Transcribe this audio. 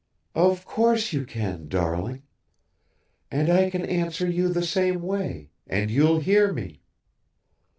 (Of course you can, darling. And I can answer you the same way, and you'll hear me.)